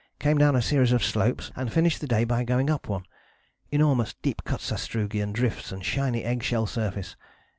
Came down a series of slopes, and finished the day by going up one. Enormous deep cut sastrugi and drifts and shiny egg shell surface.